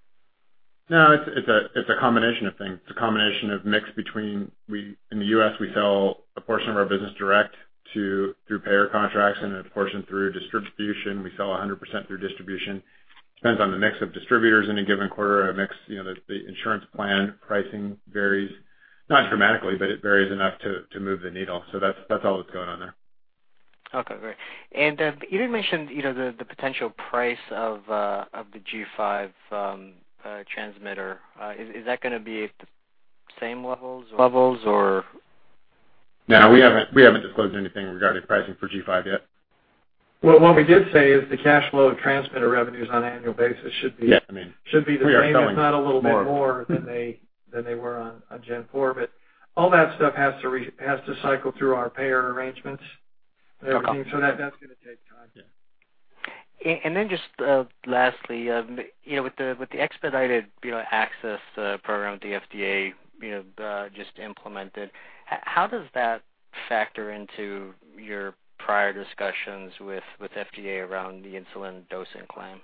No, it's a combination of things. It's a combination of mix between. In the US, we sell a portion of our business direct through payer contracts and a portion through distribution. We sell 100% through distribution. It depends on the mix of distributors in a given quarter, you know, the insurance plan pricing varies, not dramatically, but it varies enough to move the needle. That's all that's going on there. Okay, great. You had mentioned, you know, the potential price of the G5 transmitter. Is that gonna be same levels or? No, we haven't disclosed anything regarding pricing for G5 yet. Well, what we did say is the cash flow of transmitter revenues on an annual basis should be- Yeah, I mean, we are selling more should be the same, if not a little bit more than they were on Gen 4. All that stuff has to cycle through our payer arrangements. Okay. That's gonna take time. Yeah. Then just lastly, you know, with the expedited access program with the FDA, you know just implemented, how does that factor into your prior discussions with FDA around the insulin dosing claim?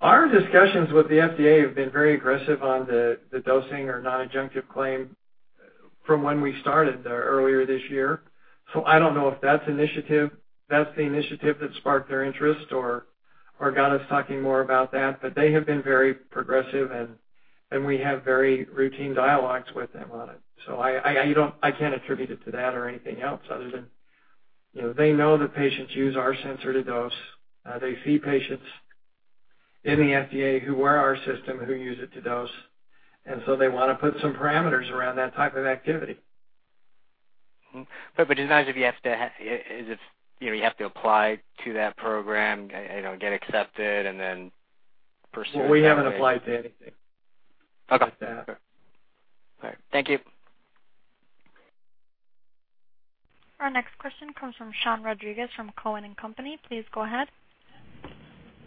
Our discussions with the FDA have been very aggressive on the dosing or non-adjunctive claim from when we started earlier this year. I don't know if that's the initiative that sparked their interest or got us talking more about that. They have been very progressive and we have very routine dialogues with them on it. I can't attribute it to that or anything else other than, you know, they know that patients use our sensor to dose. They see patients in the FDA who wear our system, who use it to dose, and so they wanna put some parameters around that type of activity. It's not as if you have to, is it, you know, you have to apply to that program, you know, get accepted and then pursue it that way? We haven't applied to anything like that. All right. Thank you. Our next question comes from Shaun Rodriguez from Cowen and Company. Please go ahead.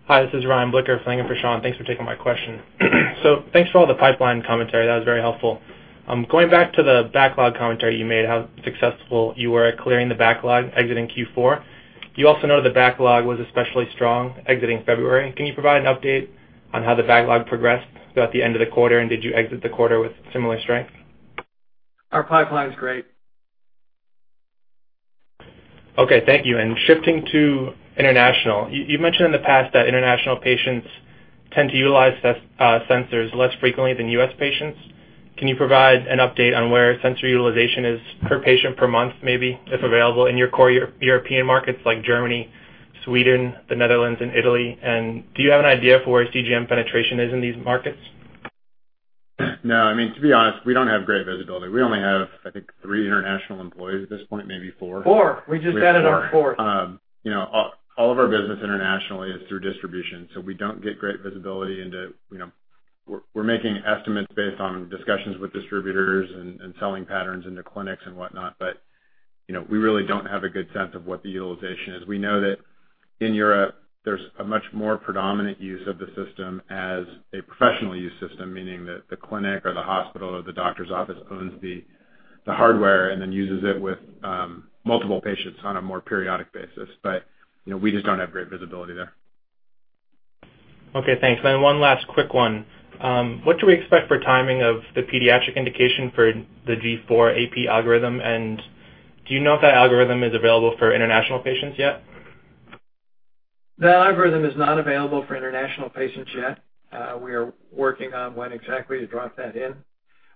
Hi, this is Ryan Blicker filling in for Shaun. Thanks for taking my question. Thanks for all the pipeline commentary. That was very helpful. Going back to the backlog commentary you made, how successful you were at clearing the backlog exiting Q4. You also know the backlog was especially strong exiting February. Can you provide an update on how the backlog progressed throughout the end of the quarter? Did you exit the quarter with similar strength? Our pipeline is great. Okay, thank you. Shifting to international, you mentioned in the past that international patients tend to utilize sensors less frequently than U.S. patients. Can you provide an update on where sensor utilization is per patient per month, maybe, if available in your core European markets like Germany, Sweden, the Netherlands and Italy? Do you have an idea for where CGM penetration is in these markets? No. I mean, to be honest, we don't have great visibility. We only have, I think, three international employees at this point, maybe four. Four. We just added our fourth. You know, all of our business internationally is through distribution, so we don't get great visibility into, you know. We're making estimates based on discussions with distributors and selling patterns into clinics and whatnot. You know, we really don't have a good sense of what the utilization is. We know that in Europe there's a much more predominant use of the system as a professional use system, meaning that the clinic or the hospital or the doctor's office owns the hardware and then uses it with multiple patients on a more periodic basis. You know, we just don't have great visibility there. Okay, thanks. One last quick one. What do we expect for timing of the pediatric indication for the G4 AP algorithm and do you know if that algorithm is available for international patients yet? The algorithm is not available for international patients yet. We are working on when exactly to drop that in.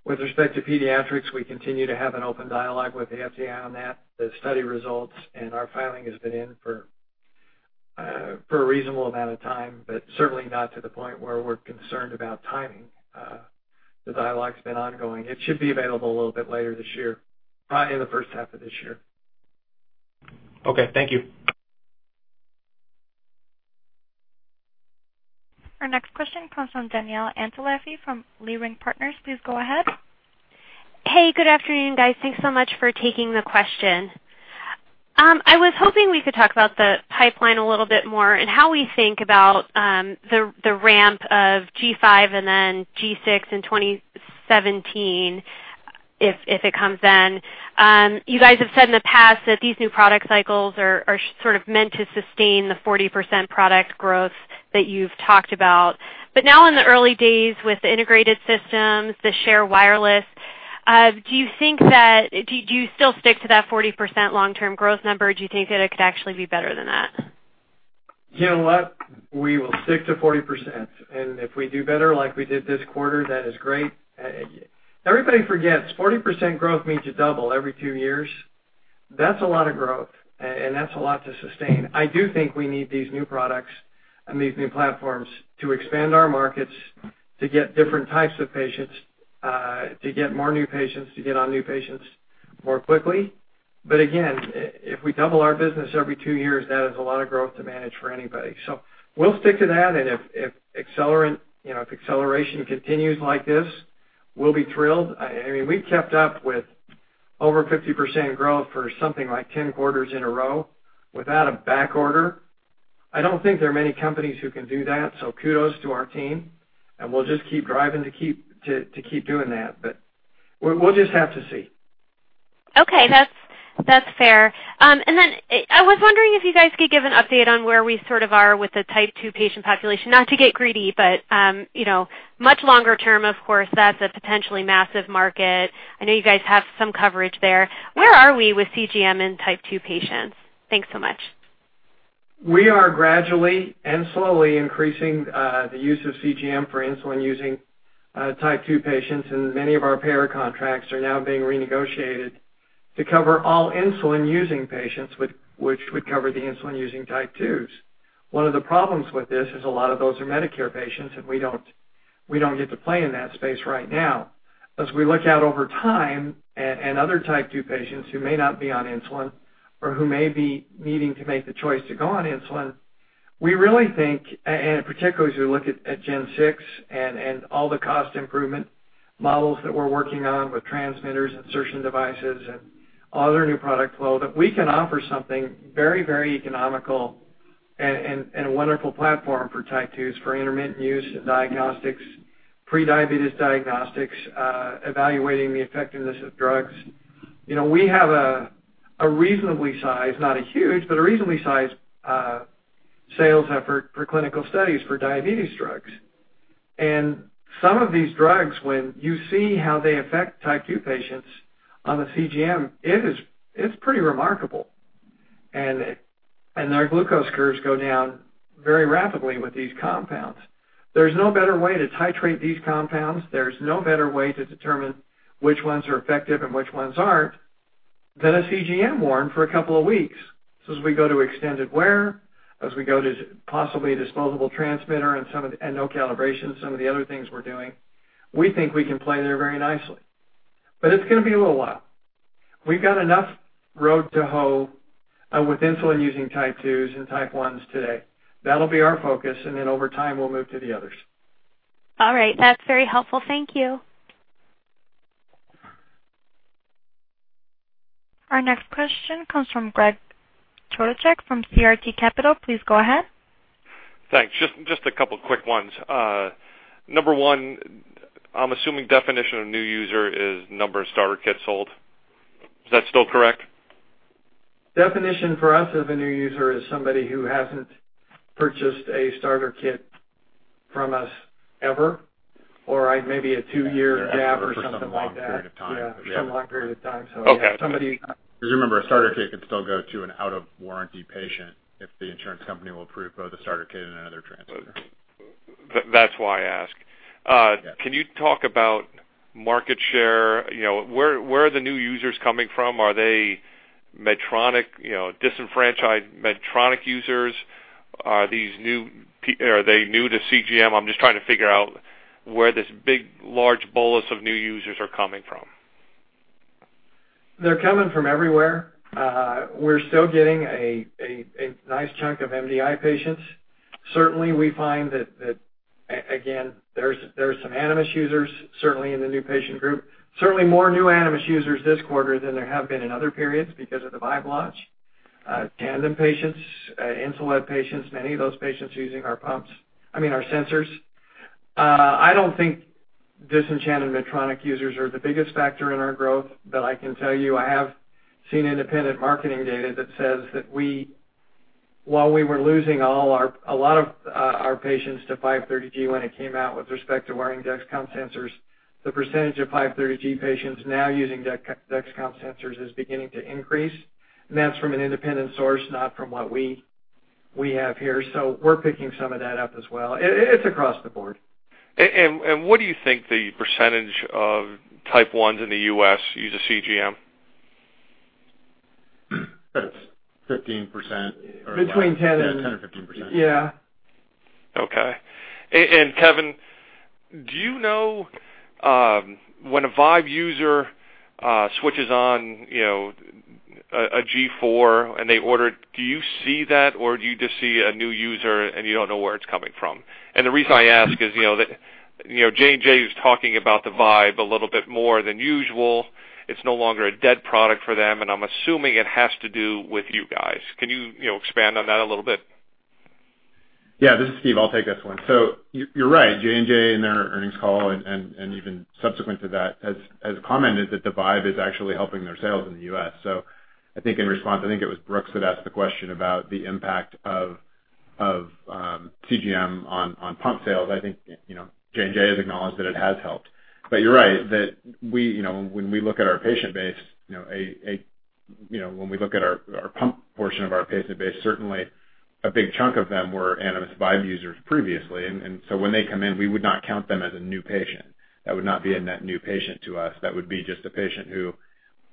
With respect to pediatrics, we continue to have an open dialogue with the FDA on that. The study results and our filing has been in for a reasonable amount of time, but certainly not to the point where we're concerned about timing. The dialogue's been ongoing. It should be available a little bit later this year, probably in the first half of this year. Okay, thank you. Our next question comes from Danielle Antalffy from Leerink Partners. Please go ahead. Hey, good afternoon, guys. Thanks so much for taking the question. I was hoping we could talk about the pipeline a little bit more and how we think about the ramp of G5 and then G6 in 2017 if it comes in. You guys have said in the past that these new product cycles are sort of meant to sustain the 40% product growth that you've talked about. Now in the early days with the integrated systems, the Share wireless, do you still stick to that 40% long-term growth number, or do you think that it could actually be better than that? You know what? We will stick to 40%, and if we do better like we did this quarter, that is great. Everybody forgets 40% growth means you double every two years. That's a lot of growth, and that's a lot to sustain. I do think we need these new products and these new platforms to expand our markets, to get different types of patients, to get more new patients, to get on new patients more quickly. Again, if we double our business every two years, that is a lot of growth to manage for anybody. We'll stick to that. You know, if acceleration continues like this, we'll be thrilled. I mean, we've kept up with over 50% growth for something like 10 quarters in a row without a back order. I don't think there are many companies who can do that. Kudos to our team, and we'll just keep driving to keep doing that. We'll just have to see. Okay, that's fair. I was wondering if you guys could give an update on where we sort of are with the Type 2 patient population. Not to get greedy, but you know, much longer term, of course, that's a potentially massive market. I know you guys have some coverage there. Where are we with CGM and Type 2 patients? Thanks so much. We are gradually and slowly increasing the use of CGM for insulin-using type two patients, and many of our payer contracts are now being renegotiated to cover all insulin-using patients, which would cover the insulin-using type twos. One of the problems with this is a lot of those are Medicare patients, and we don't get to play in that space right now. As we look out over time at and other type 2 patients who may not be on insulin or who may be needing to make the choice to go on insulin, we really think and particularly as we look at Gen 6 and all the cost improvement models that we're working on with transmitters, insertion devices, and other new product flow, that we can offer something very economical and a wonderful platform for type 2s for intermittent use in diagnostics, prediabetes diagnostics, evaluating the effectiveness of drugs. You know, we have a reasonably sized, not a huge, but a reasonably sized sales effort for clinical studies for diabetes drugs. Some of these drugs, when you see how they affect type 2 patients on a CGM, it's pretty remarkable. Their glucose curves go down very rapidly with these compounds. There's no better way to titrate these compounds, there's no better way to determine which ones are effective and which ones aren't than a CGM worn for a couple of weeks. As we go to extended wear, as we go to possibly disposable transmitter and some of the no calibration, some of the other things we're doing, we think we can play there very nicely. It's gonna be a little while. We've got enough row to hoe with insulin-using type twos and type ones today. That'll be our focus, and then over time, we'll move to the others. All right. That's very helpful. Thank you. Our next question comes from Greg Chodaczek from CRT Capital. Please go ahead. Thanks. Just a couple quick ones. Number one, I'm assuming definition of new user is number of starter kits sold. Is that still correct? Definition for us of a new user is somebody who hasn't purchased a starter kit from us ever, or maybe a two-year gap or something like that. For some long period of time. Yeah. Yeah. Some long period of time. Okay. Yeah. Somebody 'Cause remember, a starter kit could still go to an out-of-warranty patient if the insurance company will approve both the starter kit and another transmitter. That's why I ask. Yeah. Can you talk about market share? You know, where are the new users coming from? Are they Medtronic, you know, disenfranchised Medtronic users? Are they new to CGM? I'm just trying to figure out where this big, large bolus of new users are coming from. They're coming from everywhere. We're still getting a nice chunk of MDI patients. Certainly, we find that again, there's some Animas users, certainly in the new patient group. Certainly more new Animas users this quarter than there have been in other periods because of the Vibe launch. Tandem patients, Insulet patients, many of those patients using our pumps, I mean, our sensors. I don't think disenchanted Medtronic users are the biggest factor in our growth, but I can tell you I have seen independent marketing data that says that we while we were losing a lot of our patients to 530G when it came out with respect to wearing Dexcom sensors, the percentage of 530G patients now using Dexcom sensors is beginning to increase. That's from an independent source, not from what we have here. We're picking some of that up as well. It's across the board. What do you think the percentage of Type 1s in the U.S. use a CGM? It's 15% or less. Between 10 and- Yeah, 10% or 15%. Yeah. Okay. Kevin, do you know when a Vibe user switches to, you know, a G4 and they order it, do you see that, or do you just see a new user and you don't know where it's coming from? The reason I ask is, you know, that, you know, J&J is talking about the Vibe a little bit more than usual. It's no longer a dead product for them, and I'm assuming it has to do with you guys. Can you know, expand on that a little bit? Yeah. This is Steve. I'll take this one. You're right. J&J in their earnings call and even subsequent to that has commented that the Vibe is actually helping their sales in the U.S. I think in response, I think it was Brooks that asked the question about the impact of CGM on pump sales. I think, you know, J&J has acknowledged that it has helped. You're right, that we, you know, when we look at our patient base, you know, when we look at our pump portion of our patient base, certainly a big chunk of them were Animas Vibe users previously. So when they come in, we would not count them as a new patient. That would not be a net new patient to us. That would be just a patient who,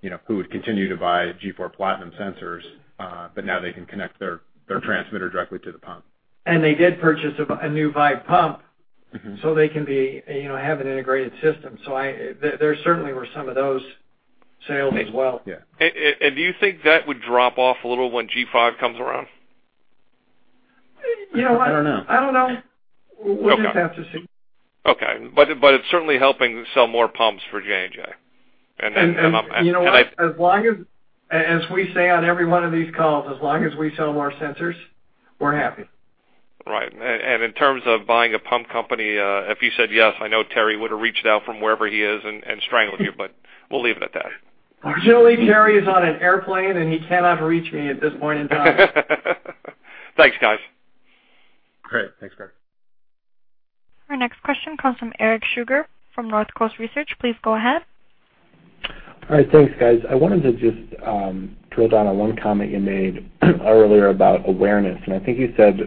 you know, who would continue to buy G4 PLATINUM sensors, but now they can connect their transmitter directly to the pump. They did purchase a new Vibe pump so they can be, you know, have an integrated system. There certainly were some of those sales as well. Yeah. Do you think that would drop off a little when G5 comes around? You know what? I don't know. I don't know. We'll just have to see. Okay. It's certainly helping sell more pumps for J&J. You know what? As we say on every one of these calls, as long as we sell more sensors, we're happy. Right. In terms of buying a pump company, if you said yes, I know Terry would have reached out from wherever he is and strangled you, but we'll leave it at that. Usually, Terry is on an airplane, and he cannot reach me at this point in time. Thanks, guys. Great. Thanks, Greg. Our next question comes from Eric Sugar from Northcoast Research. Please go ahead. All right, thanks, guys. I wanted to just drill down on one comment you made earlier about awareness, and I think you said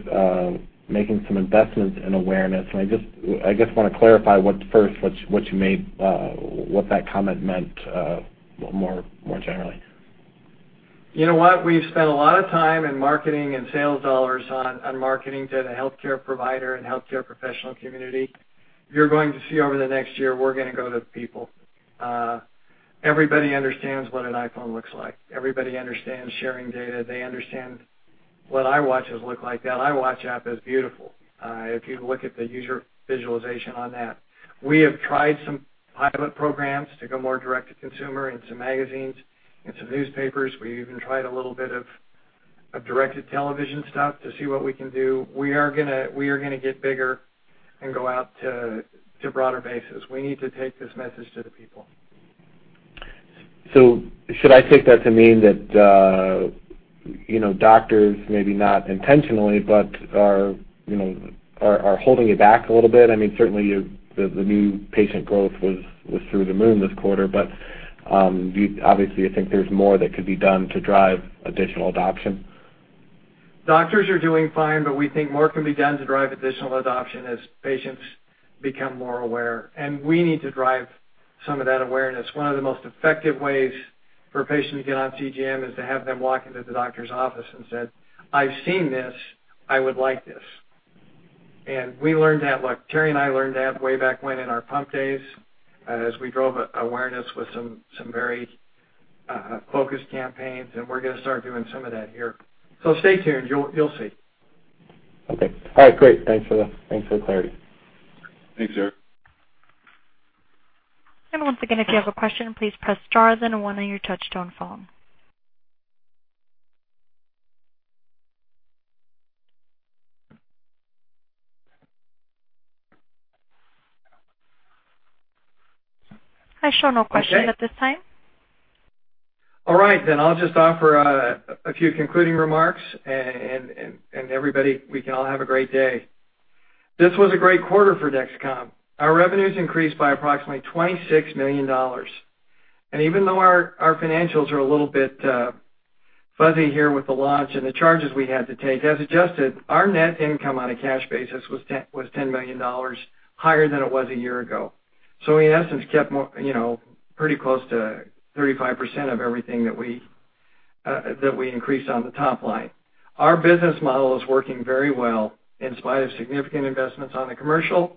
making some investments in awareness. I just, I guess, want to clarify what that comment meant more generally. You know what? We've spent a lot of time in marketing and sales dollars on marketing to the healthcare provider and healthcare professional community. You're going to see over the next year we're gonna go to the people. Everybody understands what an iPhone looks like. Everybody understands sharing data. They understand what Apple Watches look like. The Apple Watch app is beautiful, if you look at the user visualization on that. We have tried some pilot programs to go more direct-to-consumer in some magazines and some newspapers. We even tried a little bit of directed television stuff to see what we can do. We are gonna get bigger and go out to broader bases. We need to take this message to the people. Should I take that to mean that, you know, doctors, maybe not intentionally, but are, you know, holding you back a little bit? I mean, certainly your new patient growth was through the roof this quarter, but you obviously think there's more that could be done to drive additional adoption. Doctors are doing fine, but we think more can be done to drive additional adoption as patients become more aware, and we need to drive some of that awareness. One of the most effective ways for a patient to get on CGM is to have them walk into the doctor's office and said, "I've seen this. I would like this." We learned that. Look, Terry and I learned that way back when in our pump days, as we drove awareness with some very focused campaigns, and we're gonna start doing some of that here. Stay tuned. You'll see. Okay. All right. Great. Thanks for the clarity. Thanks, Eric. Once again, if you have a question, please press star then one on your touchtone phone. I show no questions at this time. All right. I'll just offer a few concluding remarks, and everybody, we can all have a great day. This was a great quarter for Dexcom. Our revenues increased by approximately $26 million. Even though our financials are a little bit fuzzy here with the launch and the charges we had to take, as adjusted, our net income on a cash basis was $10 million higher than it was a year ago. We, in essence, kept more, you know, pretty close to 35% of everything that we increased on the top line. Our business model is working very well in spite of significant investments on the commercial and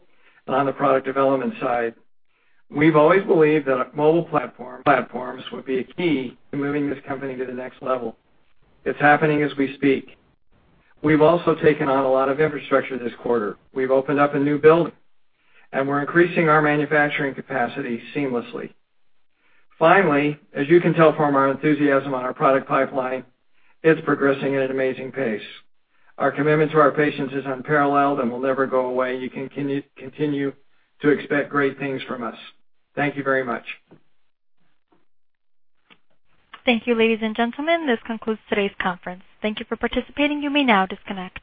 on the product development side. We've always believed that mobile platforms would be a key to moving this company to the next level. It's happening as we speak. We've also taken on a lot of infrastructure this quarter. We've opened up a new building, and we're increasing our manufacturing capacity seamlessly. Finally, as you can tell from our enthusiasm on our product pipeline, it's progressing at an amazing pace. Our commitment to our patients is unparalleled and will never go away. You can continue to expect great things from us. Thank you very much. Thank you, ladies and gentlemen. This concludes today's conference. Thank you for participating. You may now disconnect.